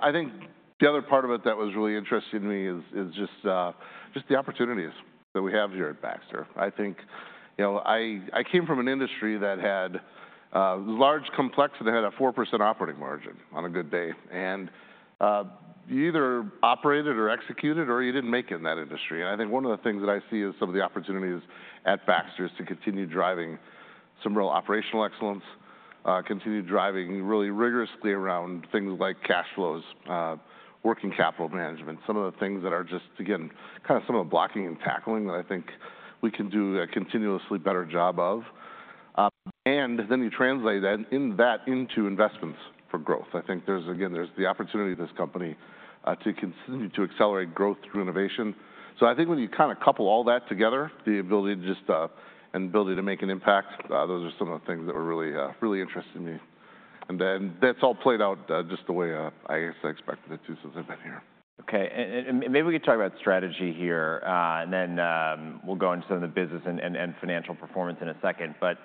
I think the other part of it that was really interesting to me is just the opportunities that we have here at Baxter. I think, you know, I came from an industry that had large complexity that had a 4% operating margin on a good day. And you either operated or executed, or you didn't make it in that industry. And I think one of the things that I see as some of the opportunities at Baxter is to continue driving some real operational excellence, continue driving really rigorously around things like cash flows, working capital management, some of the things that are just, again, kind of some of the blocking and tackling that I think we can do a continuously better job of. And then you translate that into investments for growth. I think there's, again, there's the opportunity at this company to continue to accelerate growth through innovation. So I think when you kind of couple all that together, the ability, and the ability to make an impact, those are some of the things that were really, really interesting to me. And then that's all played out just the way I guess I expected it to since I've been here. Okay. And maybe we could talk about strategy here, and then we'll go into some of the business and financial performance in a second. But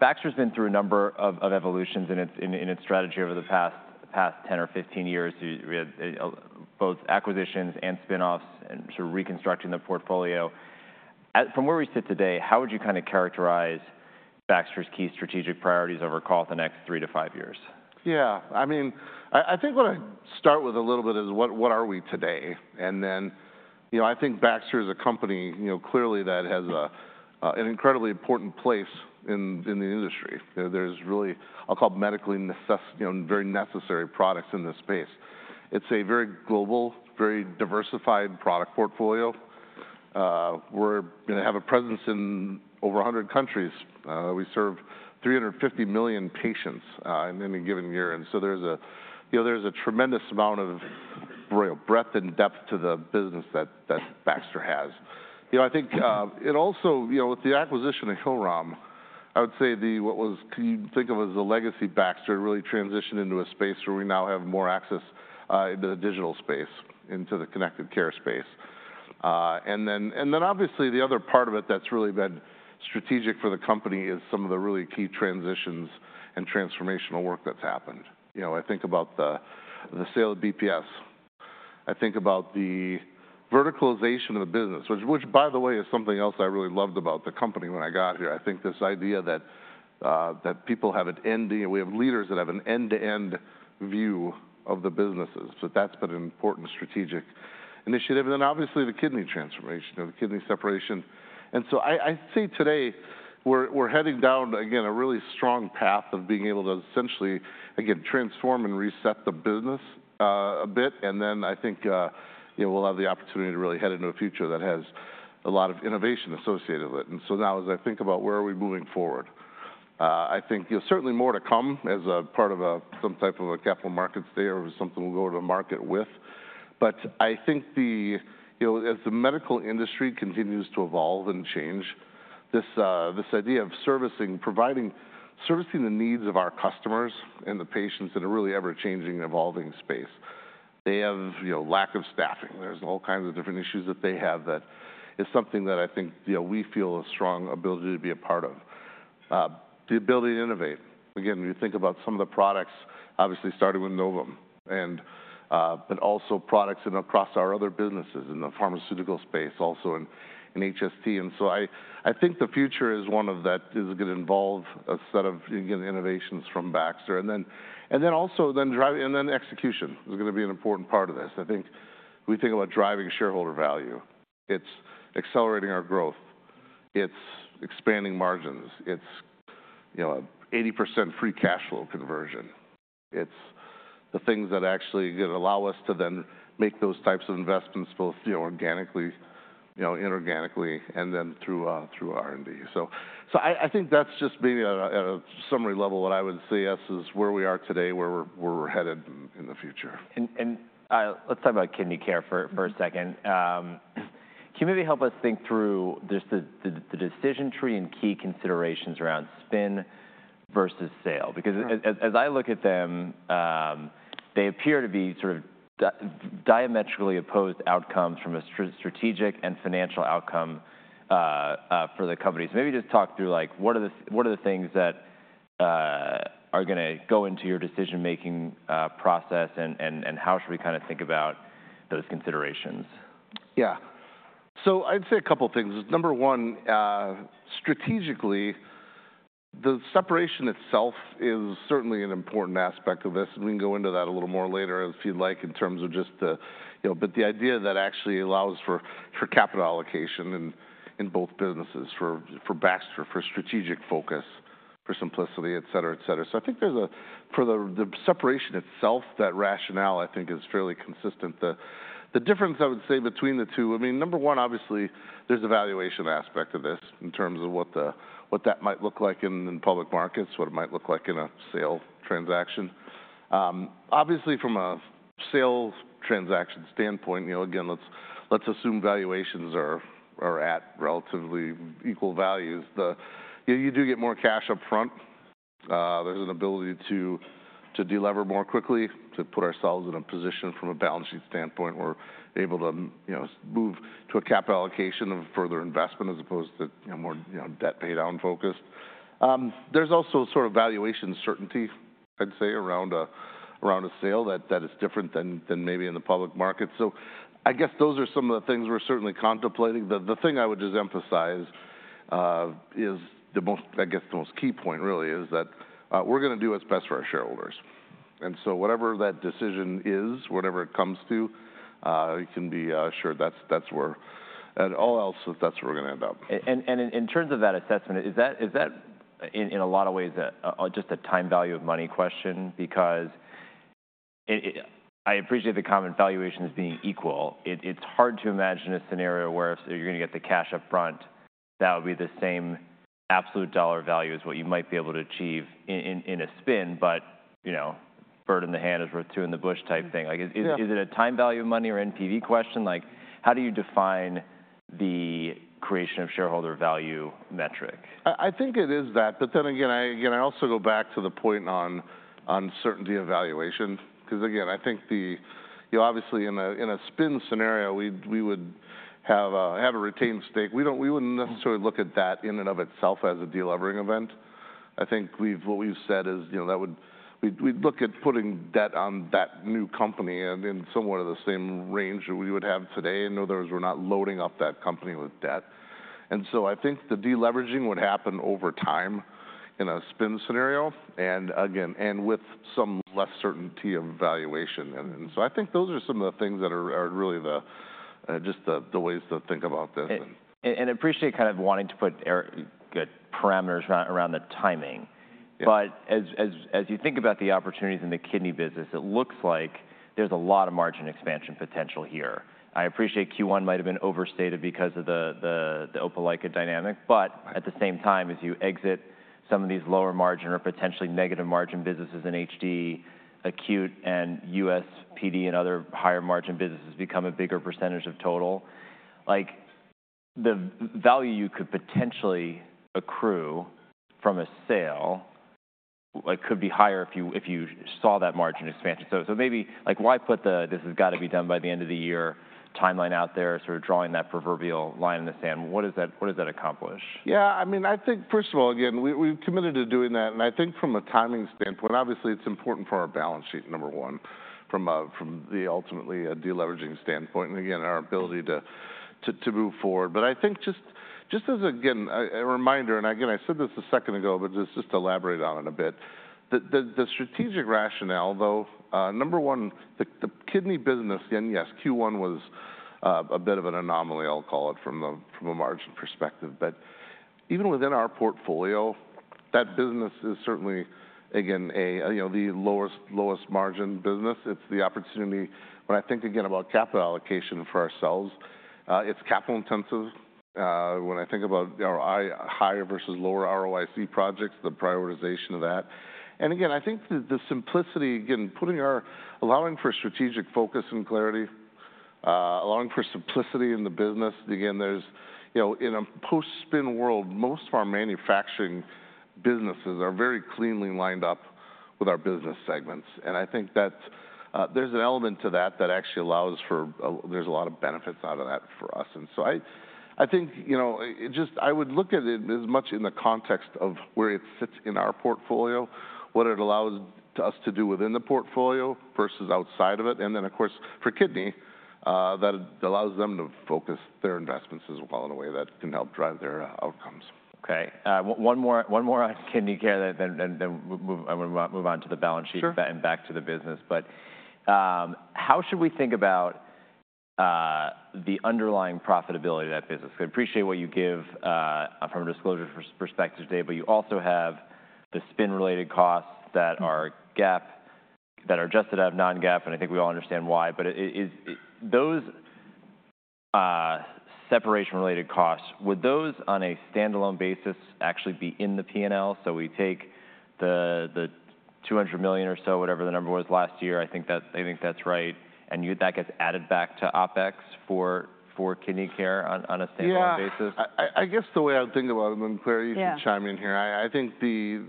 Baxter's been through a number of evolutions in its strategy over the past 10 or 15 years. We had both acquisitions and spinoffs and sort of reconstructing the portfolio. From where we sit today, how would you kind of characterize Baxter's key strategic priorities over, call it, the next 3-5 years? Yeah. I mean, I think what I'd start with a little bit is what are we today? And then, you know, I think Baxter is a company, you know, clearly that has an incredibly important place in the industry. There's really, I'll call it medically very necessary products in this space. It's a very global, very diversified product portfolio. We're going to have a presence in over 100 countries. We serve 350 million patients in any given year. And so there's a tremendous amount of real breadth and depth to the business that Baxter has. You know, I think it also, you know, with the acquisition of Hillrom, I would say what was, you think of as a legacy Baxter, really transitioned into a space where we now have more access into the digital space, into the connected care space. And then obviously the other part of it that's really been strategic for the company is some of the really key transitions and transformational work that's happened. You know, I think about the sale of BPS. I think about the verticalization of the business, which, by the way, is something else I really loved about the company when I got here. I think this idea that people have an ending, and we have leaders that have an end-to-end view of the businesses. So that's been an important strategic initiative. And then obviously the kidney transformation, the kidney separation. And so I'd say today we're heading down, again, a really strong path of being able to essentially, again, transform and reset the business a bit. And then I think we'll have the opportunity to really head into a future that has a lot of innovation associated with it. And so now, as I think about where are we moving forward, I think, you know, certainly more to come as a part of some type of a capital markets day or something we'll go to the market with. But I think, you know, as the medical industry continues to evolve and change, this idea of servicing, providing, servicing the needs of our customers and the patients in a really ever-changing, evolving space. They have lack of staffing. There's all kinds of different issues that they have that is something that I think we feel a strong ability to be a part of. The ability to innovate. Again, you think about some of the products, obviously starting with Novum, but also products across our other businesses in the pharmaceutical space, also in HST. And so I think the future is one of that is going to involve a set of, again, innovations from Baxter. And then also, then driving, and then execution is going to be an important part of this. I think we think about driving shareholder value. It's accelerating our growth. It's expanding margins. It's 80% free cash flow conversion. It's the things that actually going to allow us to then make those types of investments both organically, inorganically, and then through R&D. So I think that's just maybe at a summary level what I would say is where we are today, where we're headed in the future. Let's talk about kidney care for a second. Can you maybe help us think through just the decision tree and key considerations around spin versus sale? Because as I look at them, they appear to be sort of diametrically opposed outcomes from a strategic and financial outcome for the companies. Maybe just talk through like what are the things that are going to go into your decision-making process and how should we kind of think about those considerations? Yeah. So I'd say a couple of things. Number one, strategically, the separation itself is certainly an important aspect of this. We can go into that a little more later if you'd like in terms of just the, but the idea that actually allows for capital allocation in both businesses for Baxter, for strategic focus, for simplicity, et cetera, et cetera. So I think there's a, for the separation itself, that rationale I think is fairly consistent. The difference I would say between the two, I mean, number one, obviously there's a valuation aspect of this in terms of what that might look like in public markets, what it might look like in a sale transaction. Obviously from a sales transaction standpoint, you know, again, let's assume valuations are at relatively equal values. You do get more cash upfront. There's an ability to deliver more quickly, to put ourselves in a position from a balance sheet standpoint where we're able to move to a capital allocation of further investment as opposed to more debt pay down focused. There's also sort of valuation certainty, I'd say, around a sale that is different than maybe in the public market. So I guess those are some of the things we're certainly contemplating. The thing I would just emphasize is the most, I guess the most key point really is that we're going to do what's best for our shareholders. And so whatever that decision is, whatever it comes to, you can be sure that's where, and all else that's where we're going to end up. And in terms of that assessment, is that in a lot of ways just a time value of money question? Because I appreciate the common valuations being equal. It's hard to imagine a scenario where if you're going to get the cash upfront, that would be the same absolute dollar value as what you might be able to achieve in a spin, but, you know, bird in the hand is worth two in the bush type thing. Like is it a time value of money or NPV question? Like how do you define the creation of shareholder value metric? I think it is that, but then again, I also go back to the point on uncertainty of valuation. Because again, I think the, you know, obviously in a spin scenario, we would have a retained stake. We wouldn't necessarily look at that in and of itself as a delivering event. I think what we've said is, you know, that would, we'd look at putting debt on that new company and in somewhat of the same range that we would have today. In other words, we're not loading up that company with debt. And so I think the deleveraging would happen over time in a spin scenario and again, and with some less certainty of valuation. And so I think those are some of the things that are really just the ways to think about this. I appreciate kind of wanting to put good parameters around the timing. But as you think about the opportunities in the kidney business, it looks like there's a lot of margin expansion potential here. I appreciate Q1 might have been overstated because of the Opelika dynamic, but at the same time as you exit some of these lower margin or potentially negative margin businesses in HD, acute, and USPD and other higher margin businesses become a bigger percentage of total, like the value you could potentially accrue from a sale could be higher if you saw that margin expansion. So maybe like why put the, this has got to be done by the end of the year timeline out there, sort of drawing that proverbial line in the sand? What does that accomplish? Yeah. I mean, I think first of all, again, we've committed to doing that. And I think from a timing standpoint, obviously it's important for our balance sheet, number one, from the ultimately deleveraging standpoint and again, our ability to move forward. But I think just as again, a reminder, and again, I said this a second ago, but just elaborate on it a bit. The strategic rationale, though, number one, the kidney business, and yes, Q1 was a bit of an anomaly, I'll call it from a margin perspective. But even within our portfolio, that business is certainly, again, the lowest margin business. It's the opportunity, when I think again about capital allocation for ourselves, it's capital intensive. When I think about higher versus lower ROIC projects, the prioritization of that. And again, I think the simplicity, again, allowing for strategic focus and clarity, allowing for simplicity in the business. Again, there's, you know, in a post-spin world, most of our manufacturing businesses are very cleanly lined up with our business segments. And I think that there's an element to that that actually allows for, there's a lot of benefits out of that for us. And so I think, you know, just I would look at it as much in the context of where it sits in our portfolio, what it allows us to do within the portfolio versus outside of it. And then of course for kidney, that allows them to focus their investments as well in a way that can help drive their outcomes. Okay. One more on Kidney Care then we'll move on to the balance sheet and back to the business. But how should we think about the underlying profitability of that business? I appreciate what you give from a disclosure perspective today, but you also have the spin-related costs that are GAAP, that are just a non-GAAP, and I think we all understand why. But those separation-related costs, would those on a standalone basis actually be in the P&L? So we take the $200 million or so, whatever the number was last year, I think that's right. And that gets added back to OpEx for Kidney Care on a standalone basis? Yeah. I guess the way I'm thinking about it, and Clare you can chime in here. I think the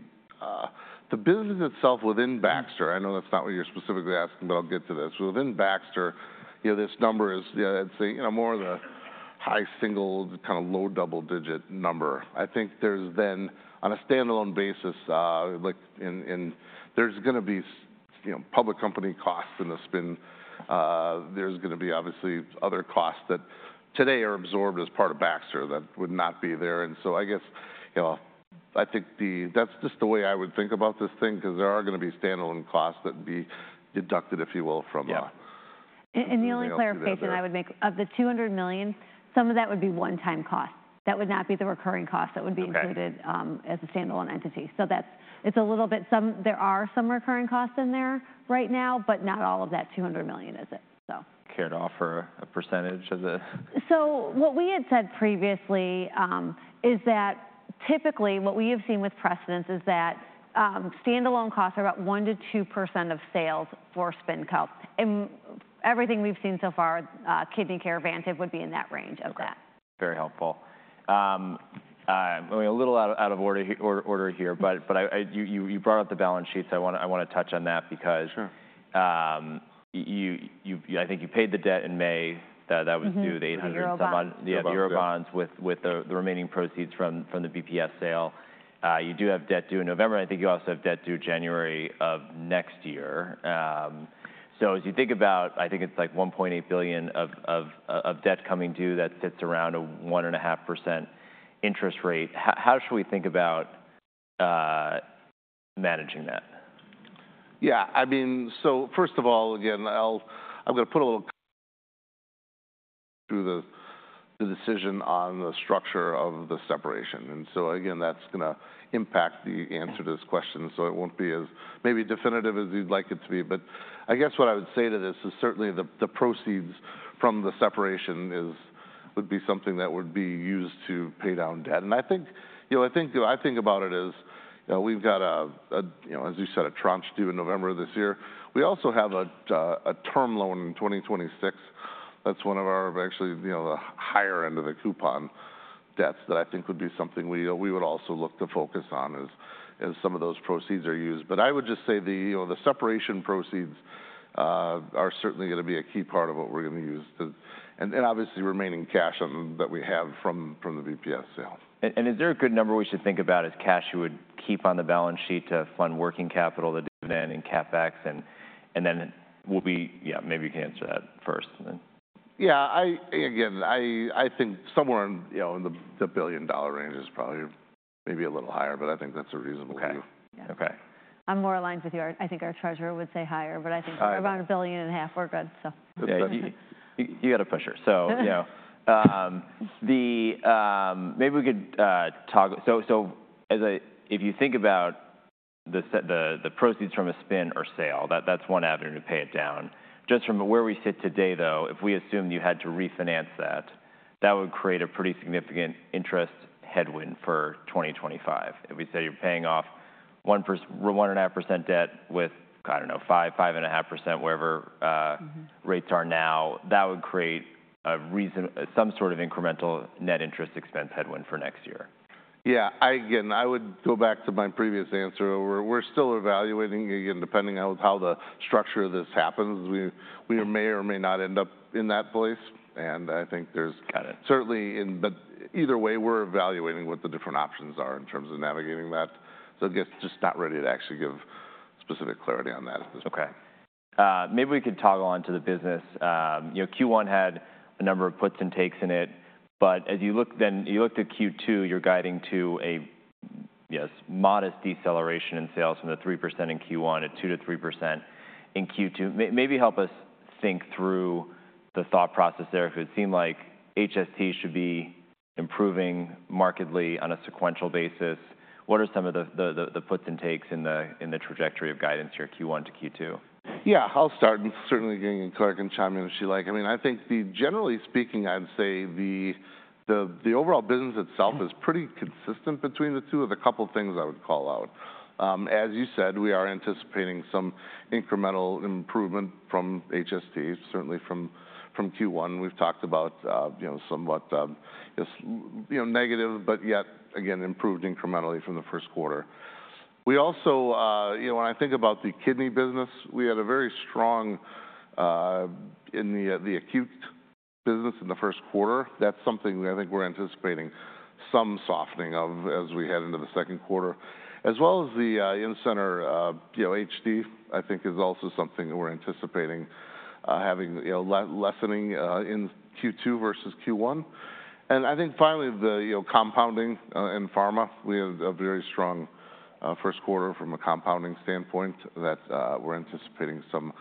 business itself within Baxter. I know that's not what you're specifically asking, but I'll get to this. Within Baxter, you know, this number is. It's more of the high single, kind of low double-digit number. I think there's then on a standalone basis. There's going to be public company costs in the spin. There's going to be obviously other costs that today are absorbed as part of Baxter that would not be there. And so I guess, you know, I think that's just the way I would think about this thing because there are going to be standalone costs that would be deducted, if you will, from. And the only clarification I would make of the $200 million, some of that would be one-time costs. That would not be the recurring costs that would be included as a standalone entity. So it's a little bit, there are some recurring costs in there right now, but not all of that $200 million is it. Care to offer a percentage of the? What we had said previously is that typically what we have seen with precedents is that standalone costs are about 1%-2% of sales for spinoffs. Everything we've seen so far, Kidney Care, Vantive would be in that range of that. Very helpful. A little out of order here, but you brought up the balance sheets. I want to touch on that because I think you paid the debt in May that was due, the EUR 800-some-odd euro bonds with the remaining proceeds from the BPS sale. You do have debt due in November. I think you also have debt due January of next year. So as you think about, I think it's like $1.8 billion of debt coming due that sits around a 1.5% interest rate. How should we think about managing that? Yeah. I mean, so first of all, again, I'm going to put a little through the decision on the structure of the separation. And so again, that's going to impact the answer to this question. So it won't be as maybe definitive as you'd like it to be. But I guess what I would say to this is certainly the proceeds from the separation would be something that would be used to pay down debt. And I think, you know, I think about it as we've got, as you said, a tranche due in November of this year. We also have a term loan in 2026. That's one of our actually the higher end of the coupon debts that I think would be something we would also look to focus on as some of those proceeds are used. I would just say the separation proceeds are certainly going to be a key part of what we're going to use. Obviously remaining cash that we have from the BPS sale. Is there a good number we should think about as cash you would keep on the balance sheet to fund working capital that is in CapEx? Then we'll be, yeah, maybe you can answer that first. Yeah. Again, I think somewhere in the $1 billion range is probably maybe a little higher, but I think that's a reasonable view. I'm more aligned with you. I think our treasurer would say higher, but I think around $1.5 billion, we're good. You got to push her. So maybe we could talk. So if you think about the proceeds from a spin or sale, that's one avenue to pay it down. Just from where we sit today though, if we assume you had to refinance that, that would create a pretty significant interest headwind for 2025. If we said you're paying off 1.5% debt with, I don't know, 5%-5.5%, whatever rates are now, that would create some sort of incremental net interest expense headwind for next year. Yeah. Again, I would go back to my previous answer. We're still evaluating, again, depending on how the structure of this happens, we may or may not end up in that place. And I think there's certainly, but either way, we're evaluating what the different options are in terms of navigating that. So I guess just not ready to actually give specific clarity on that at this point. Okay. Maybe we could toggle onto the business. You know, Q1 had a number of puts and takes in it. But as you look then you look to Q2, you're guiding to a modest deceleration in sales from the 3% in Q1 to 2%-3% in Q2. Maybe help us think through the thought process there. If it seemed like HST should be improving markedly on a sequential basis, what are some of the puts and takes in the trajectory of guidance here Q1 to Q2? Yeah. I'll start and certainly getting Clare to chime in if she likes. I mean, I think generally speaking, I'd say the overall business itself is pretty consistent between the two with a couple of things I would call out. As you said, we are anticipating some incremental improvement from HST, certainly from Q1. We've talked about somewhat negative, but yet again, improved incrementally from the first quarter. We also, you know, when I think about the kidney business, we had a very strong in the acute business in the first quarter. That's something I think we're anticipating some softening of as we head into the second quarter. As well as the in-center HD, I think is also something that we're anticipating having lessening in Q2 versus Q1. I think finally the compounding in pharma, we had a very strong first quarter from a compounding standpoint that we're anticipating some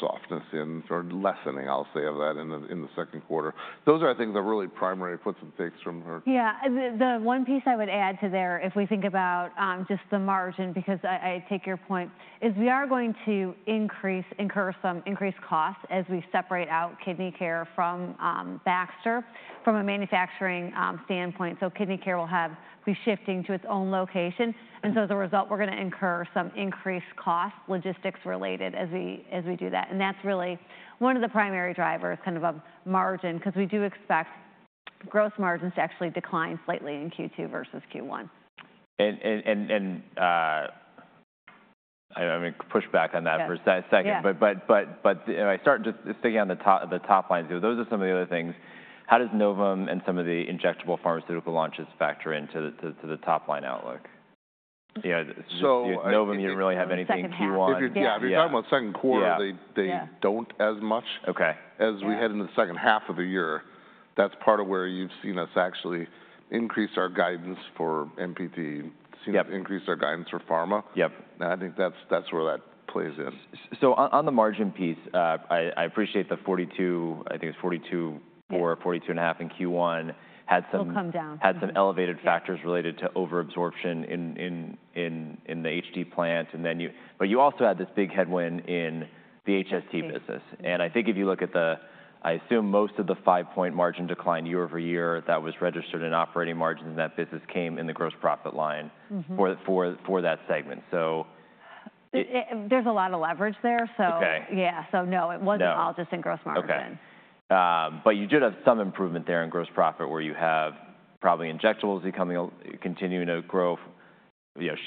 softness in or lessening, I'll say, of that in the second quarter. Those are I think the really primary puts and takes from her. Yeah. The one piece I would add to there if we think about just the margin, because I take your point, is we are going to increase, incur some increased costs as we separate out kidney care from Baxter from a manufacturing standpoint. So kidney care will be shifting to its own location. And so as a result, we're going to incur some increased costs, logistics-related as we do that. And that's really one of the primary drivers kind of of margin because we do expect gross margins to actually decline slightly in Q2 versus Q1. I'm going to push back on that for a second, but if I start just sticking on the top lines, those are some of the other things. How does Novum and some of the injectable pharmaceutical launches factor into the top line outlook? You know, Novum, you don't really have anything Q1. Yeah. If you're talking about second quarter, they don't as much. As we head into the second half of the year, that's part of where you've seen us actually increase our guidance for MPT, seen us increase our guidance for pharma. And I think that's where that plays in. So on the margin piece, I appreciate the 42, I think it was 42.4, 42.5 in Q1 had some elevated factors related to overabsorption in the HD plant. But you also had this big headwind in the HST business. And I think if you look at the, I assume most of the 5-point margin decline year-over-year that was registered in operating margins in that business came in the gross profit line for that segment. So. There's a lot of leverage there. So yeah, so no, it wasn't all just in gross margin. But you did have some improvement there in gross profit where you have probably injectables continuing to grow,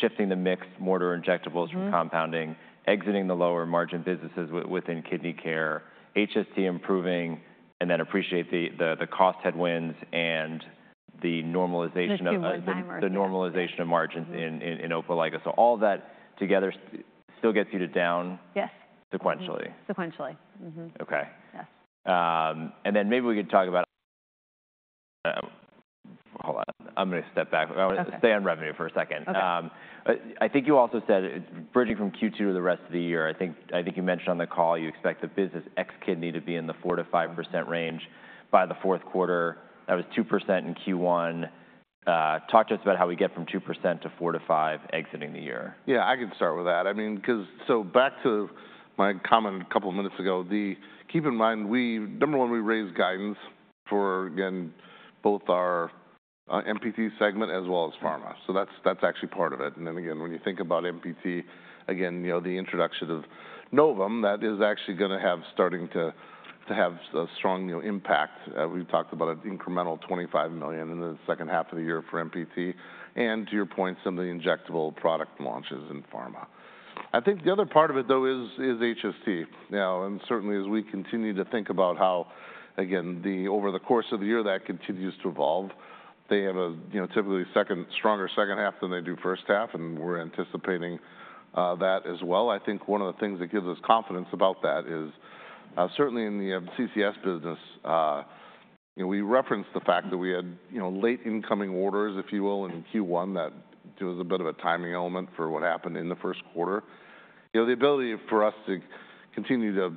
shifting the mix toward injectables from compounding, exiting the lower margin businesses within Kidney Care, HST improving, and despite the cost headwinds and the normalization of margins in Opelika. So all that together still gets you to down sequentially. Sequentially. Okay. And then maybe we could talk about, hold on, I'm going to step back. Stay on revenue for a second. I think you also said bridging from Q2 to the rest of the year, I think you mentioned on the call you expect the business ex-kidney to be in the 4%-5% range by the fourth quarter. That was 2% in Q1. Talk to us about how we get from 2% to 4%-5% exiting the year. Yeah, I can start with that. I mean, so back to my comment a couple of minutes ago, keep in mind, number one, we raised guidance for both our MPT segment as well as pharma. So that's actually part of it. And then again, when you think about MPT, again, you know the introduction of Novum, that is actually going to have starting to have a strong impact. We've talked about an incremental $25 million in the second half of the year for MPT. And to your point, some of the injectable product launches in pharma. I think the other part of it though is HST. And certainly as we continue to think about how, again, over the course of the year that continues to evolve, they have a typically stronger second half than they do first half. And we're anticipating that as well. I think one of the things that gives us confidence about that is certainly in the CCS business. We referenced the fact that we had late incoming orders, if you will, in Q1. That was a bit of a timing element for what happened in the first quarter. The ability for us to continue to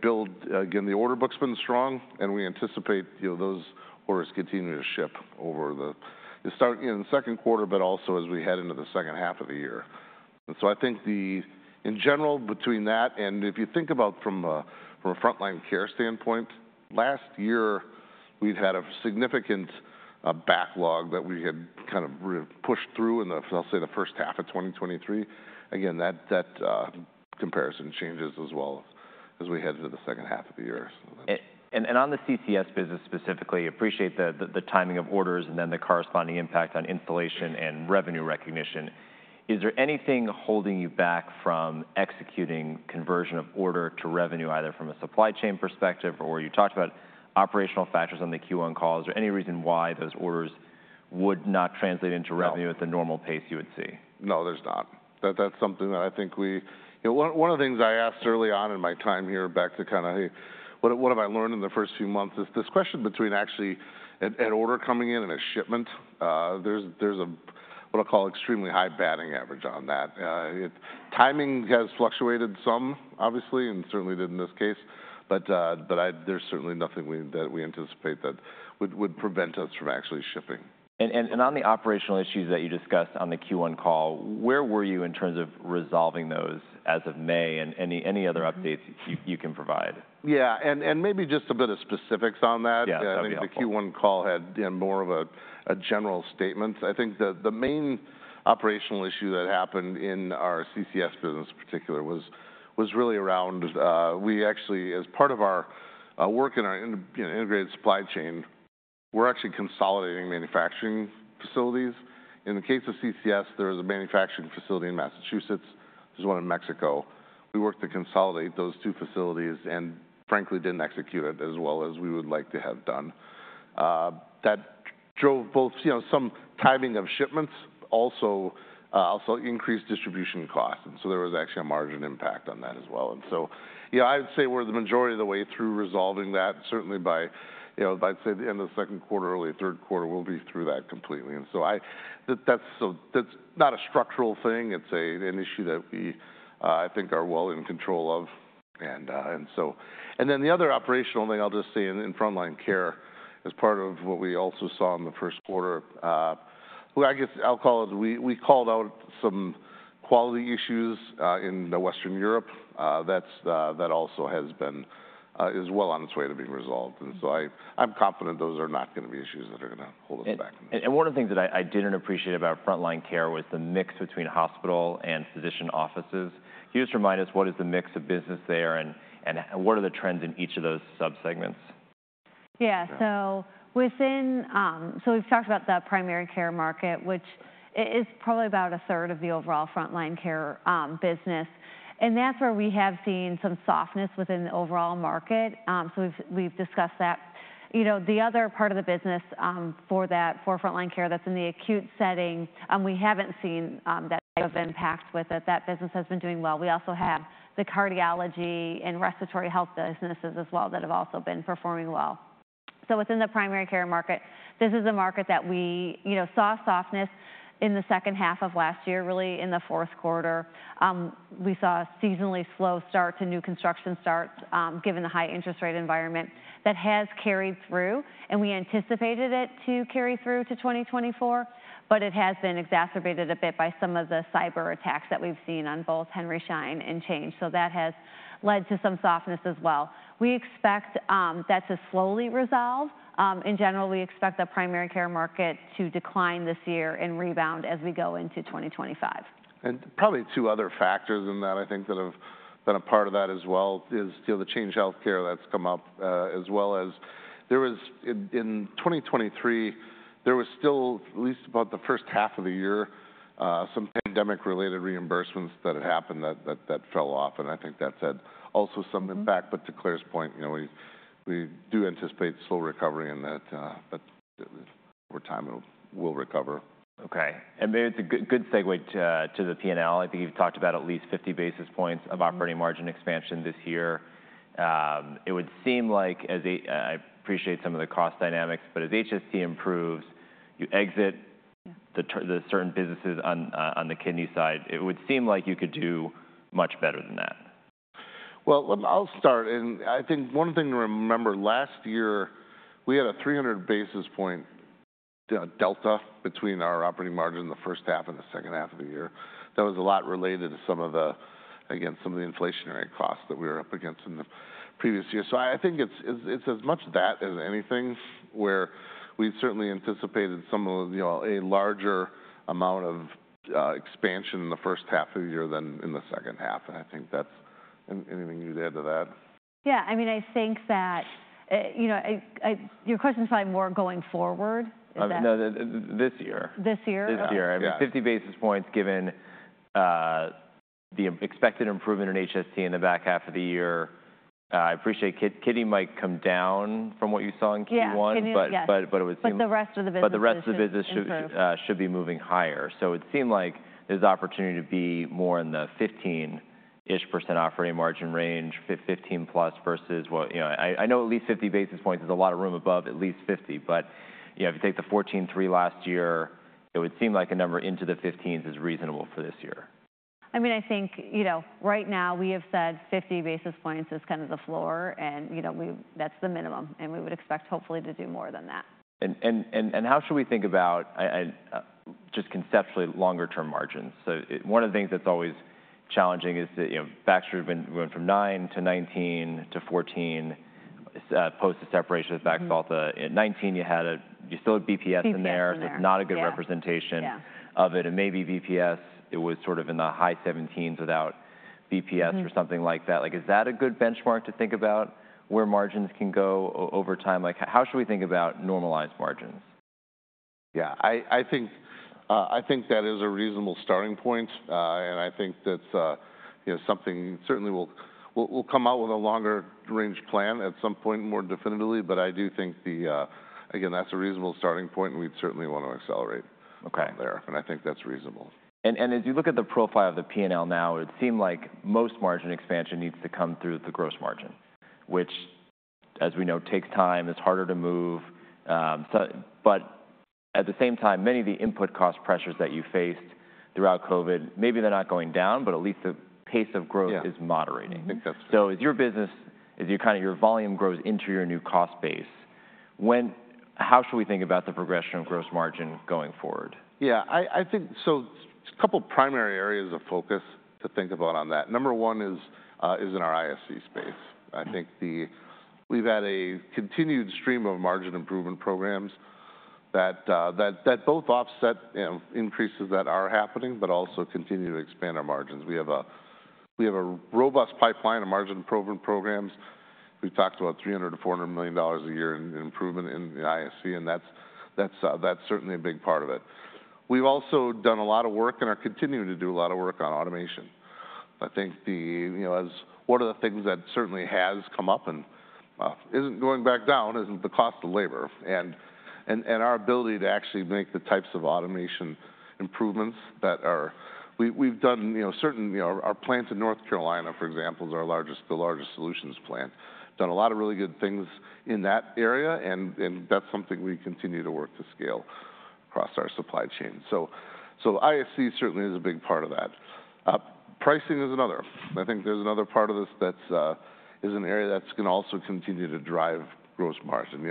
build, again, the order book's been strong. We anticipate those orders continue to ship over the second quarter, but also as we head into the second half of the year. So I think in general between that and if you think about from a Front Line Care standpoint, last year we'd had a significant backlog that we had kind of pushed through in the, I'll say the first half of 2023. Again, that comparison changes as well as we head into the second half of the year. On the CCS business specifically, appreciate the timing of orders and then the corresponding impact on installation and revenue recognition. Is there anything holding you back from executing conversion of order to revenue either from a supply chain perspective or you talked about operational factors on the Q1 calls or any reason why those orders would not translate into revenue at the normal pace you would see? No, there's not. That's something that I think we, one of the things I asked early on in my time here back to kind of what have I learned in the first few months is this question between actually an order coming in and a shipment, there's what I'll call extremely high batting average on that. Timing has fluctuated some, obviously, and certainly did in this case. But there's certainly nothing that we anticipate that would prevent us from actually shipping. On the operational issues that you discussed on the Q1 call, where were you in terms of resolving those as of May and any other updates you can provide? Yeah. And maybe just a bit of specifics on that. I mean, the Q1 call had more of a general statement. I think the main operational issue that happened in our CCS business in particular was really around, we actually, as part of our work in our integrated supply chain, we're actually consolidating manufacturing facilities. In the case of CCS, there was a manufacturing facility in Massachusetts. There's one in Mexico. We worked to consolidate those two facilities and frankly didn't execute it as well as we would like to have done. That drove both some timing of shipments, also increased distribution costs. And so there was actually a margin impact on that as well. And so I would say we're the majority of the way through resolving that. Certainly by, I'd say, the end of the second quarter, early third quarter, we'll be through that completely. And so that's not a structural thing. It's an issue that we, I think, are well in control of. And then the other operational thing I'll just say in Front Line Care as part of what we also saw in the first quarter, I guess I'll call it, we called out some quality issues in Western Europe. That also has been as well on its way to being resolved. And so I'm confident those are not going to be issues that are going to hold us back. One of the things that I didn't appreciate about Front Line Care was the mix between hospital and physician offices. Can you just remind us what is the mix of business there and what are the trends in each of those subsegments? Yeah. So we've talked about the primary care market, which is probably about a third of the overall Front Line Care business. And that's where we have seen some softness within the overall market. So we've discussed that. The other part of the business for Front Line Care that's in the acute setting, we haven't seen that type of impact with it. That business has been doing well. We also have the cardiology and respiratory health businesses as well that have also been performing well. So within the primary care market, this is a market that we saw softness in the second half of last year, really in the fourth quarter. We saw a seasonally slow start to new construction starts given the high interest rate environment that has carried through. We anticipated it to carry through to 2024, but it has been exacerbated a bit by some of the cyber attacks that we've seen on both Henry Schein and Change. So that has led to some softness as well. We expect that to slowly resolve. In general, we expect the primary care market to decline this year and rebound as we go into 2025. Probably two other factors in that I think that have been a part of that as well is the Change Healthcare that's come up as well as there was in 2023, there was still at least about the first half of the year, some pandemic-related reimbursements that had happened that fell off. I think that's had also some impact. To Clare's point, we do anticipate slow recovery in that, but over time it will recover. Okay. It's a good segue to the P&L. I think you've talked about at least 50 basis points of operating margin expansion this year. It would seem like, I appreciate some of the cost dynamics, but as HST improves, you exit the certain businesses on the kidney side, it would seem like you could do much better than that. Well, I'll start. And I think one thing to remember last year, we had a 300 basis point delta between our operating margin in the first half and the second half of the year. That was a lot related to some of the, again, some of the inflationary costs that we were up against in the previous year. So I think it's as much that as anything where we certainly anticipated some of a larger amount of expansion in the first half of the year than in the second half. And I think that's anything you'd add to that? Yeah. I mean, I think that your question is probably more going forward. This year. This year. This year. I mean, 50 basis points given the expected improvement in HST in the back half of the year. I appreciate, Kidney might come down from what you saw in Q1, but it would seem. But the rest of the business. But the rest of the business should be moving higher. So it seemed like there's opportunity to be more in the 15-ish% operating margin range, 15+ versus what I know at least 50 basis points is a lot of room above at least 50. But if you take the 14.3 last year, it would seem like a number into the 15s is reasonable for this year. I mean, I think right now we have said 50 basis points is kind of the floor and that's the minimum. We would expect hopefully to do more than that. How should we think about just conceptually longer-term margins? So one of the things that's always challenging is that Baxter has been going from 9% to 19% to 14% post the separation with Baxalta. At 19%, you had a, you still had BPS in there. So it's not a good representation of it. And maybe BPS, it was sort of in the high 17s without BPS or something like that. Is that a good benchmark to think about where margins can go over time? How should we think about normalized margins? Yeah, I think that is a reasonable starting point. And I think that's something certainly we'll come out with a longer-range plan at some point more definitively. But I do think, again, that's a reasonable starting point. And we'd certainly want to accelerate from there. And I think that's reasonable. As you look at the profile of the P&L now, it would seem like most margin expansion needs to come through the gross margin, which as we know takes time, is harder to move. At the same time, many of the input cost pressures that you faced throughout COVID, maybe they're not going down, but at least the pace of growth is moderating. As your business, as your kind of your volume grows into your new cost base, how should we think about the progression of gross margin going forward? Yeah, I think so, a couple of primary areas of focus to think about on that. Number one is in our ISC space. I think we've had a continued stream of margin improvement programs that both offset increases that are happening, but also continue to expand our margins. We have a robust pipeline of margin improvement programs. We've talked about $300 million-$400 million a year in improvement in the ISC. And that's certainly a big part of it. We've also done a lot of work and are continuing to do a lot of work on automation. I think one of the things that certainly has come up and isn't going back down is the cost of labor and our ability to actually make the types of automation improvements that we've done. Our plant in North Carolina, for example, is our largest solutions plant. Done a lot of really good things in that area. That's something we continue to work to scale across our supply chain. ISC certainly is a big part of that. Pricing is another. I think there's another part of this that is an area that's going to also continue to drive gross margin.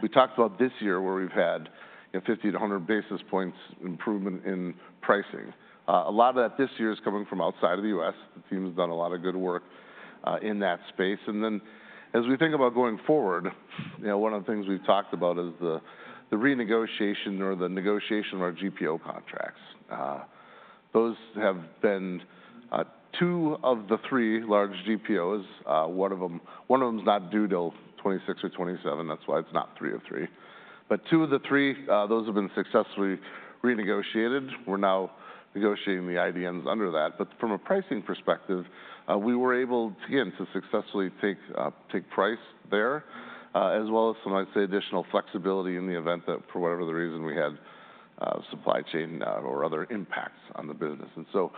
We talked about this year where we've had 50-100 basis points improvement in pricing. A lot of that this year is coming from outside of the U.S. The team has done a lot of good work in that space. Then as we think about going forward, one of the things we've talked about is the renegotiation or the negotiation of our GPO contracts. Those have been two of the three large GPOs. One of them is not due till 2026 or 2027. That's why it's not three of three. But two of the three, those have been successfully renegotiated. We're now negotiating the IDNs under that. But from a pricing perspective, we were able to, again, to successfully take price there as well as some, I'd say, additional flexibility in the event that for whatever the reason we had supply chain or other impacts on the business. And so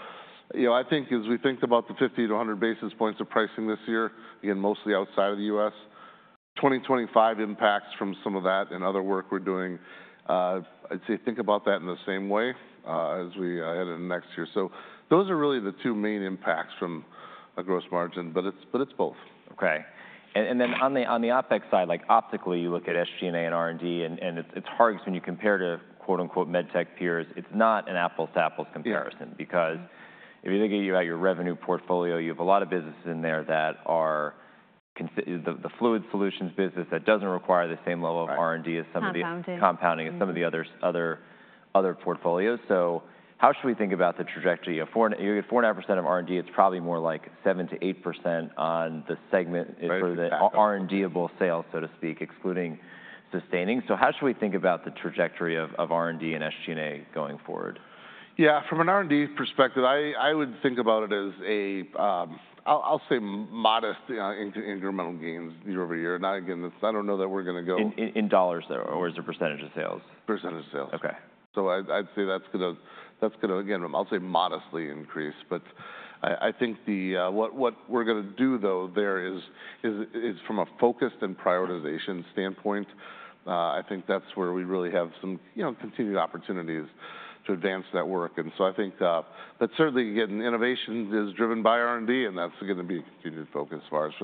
I think as we think about the 50-100 basis points of pricing this year, again, mostly outside of the US, 2025 impacts from some of that and other work we're doing, I'd say think about that in the same way as we head into next year. So those are really the two main impacts from a gross margin, but it's both. Okay. Then on the OpEx side, like, optically you look at SG&A and R&D, and it's hard because when you compare to "med tech peers," it's not an apples-to-apples comparison because if you look at your revenue portfolio, you have a lot of businesses in there that are the fluid solutions business that doesn't require the same level of R&D as some of the compounding as some of the other portfolios. So how should we think about the trajectory? You get 4.5% of R&D; it's probably more like 7%-8% on the segment for the R&D of both sales, so to speak, excluding sustaining. So how should we think about the trajectory of R&D and SG&A going forward? Yeah, from an R&D perspective, I would think about it as a, I'll say modest incremental gains year over year. Now, again, I don't know that we're going to go. In dollars though, or is it percentage of sales? Percentage of sales. Okay. So I'd say that's going to, again, I'll say modestly increase. But I think what we're going to do though there is from a focused and prioritization standpoint, I think that's where we really have some continued opportunities to advance that work. And so I think that certainly, again, innovation is driven by R&D and that's going to be a continued focus for us.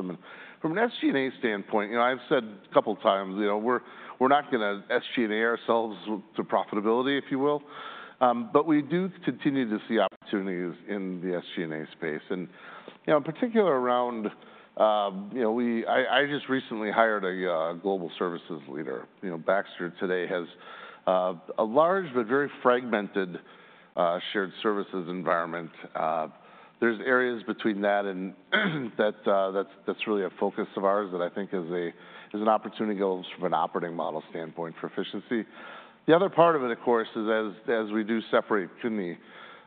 From an SG&A standpoint, I've said a couple of times, we're not going to SG&A ourselves to profitability, if you will. But we do continue to see opportunities in the SG&A space. And in particular around, I just recently hired a global services leader. Baxter today has a large, but very fragmented shared services environment. There's areas between that and that's really a focus of ours that I think is an opportunity to go from an operating model standpoint for efficiency. The other part of it, of course, is as we do separate kidney,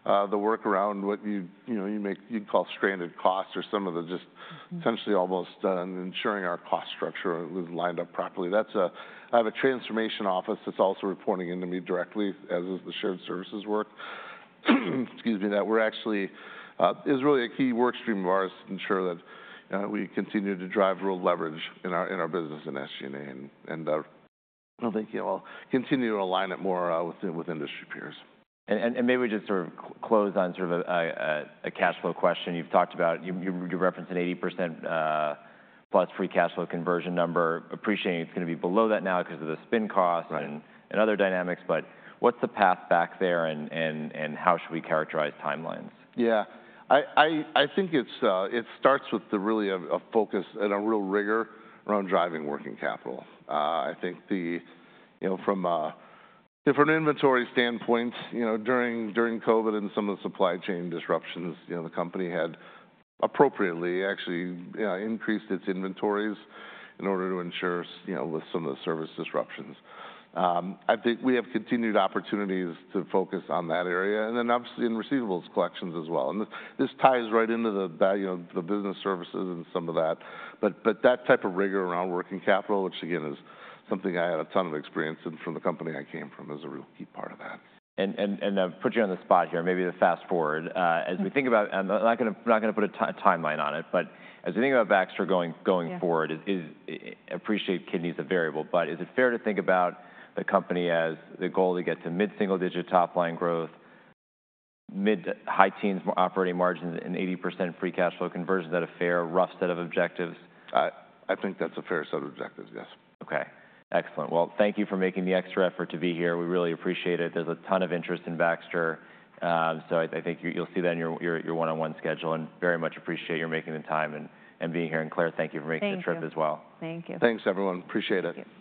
the work around what you'd call stranded costs or some of the just essentially almost ensuring our cost structure was lined up properly. I have a transformation office that's also reporting into me directly, as is the shared services work. Excuse me, that is really a key workstream of ours to ensure that we continue to drive real leverage in our business in SG&A. I think we'll continue to align it more with industry peers. Maybe just sort of close on sort of a cash flow question. You've talked about, you referenced an 80%+ free cash flow conversion number. Appreciating it's going to be below that now because of the spin costs and other dynamics. But what's the path back there and how should we characterize timelines? Yeah. I think it starts with really a focus and a real rigor around driving working capital. I think from an inventory standpoint, during COVID and some of the supply chain disruptions, the company had appropriately actually increased its inventories in order to ensure with some of the service disruptions. I think we have continued opportunities to focus on that area and then obviously in receivables collections as well. And this ties right into the business services and some of that. But that type of rigor around working capital, which again is something I had a ton of experience in from the company I came from is a real key part of that. I'll put you on the spot here. Maybe to fast forward, as we think about, I'm not going to put a timeline on it, but as we think about Baxter going forward, I appreciate kidney is a variable, but is it fair to think about the company as the goal to get to mid-single-digit top-line growth, mid-high-teens operating margins and 80% free cash flow conversion? Is that a fair rough set of objectives? I think that's a fair set of objectives, yes. Okay. Excellent. Well, thank you for making the extra effort to be here. We really appreciate it. There's a ton of interest in Baxter. So I think you'll see that in your one-on-one schedule. Very much appreciate your making the time and being here. And Clare, thank you for making the trip as well. Thank you. Thanks, everyone. Appreciate it.